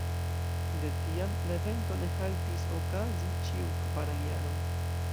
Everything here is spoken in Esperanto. De tiam, la evento ne haltis okazi ĉiun kvaran jaron.